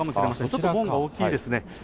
ちょっと門が大きいですね。